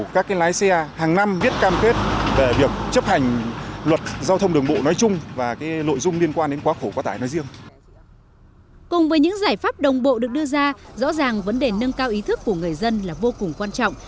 cùng với những giải pháp đồng bộ được đưa ra rõ ràng vấn đề nâng cao ý thức của người dân là vô cùng quan trọng